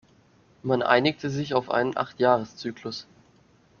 Man einigte sich auf einen Achtjahres-Zyklus.